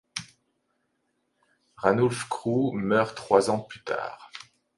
Ranulph Crewe meurt trois ans plus tard.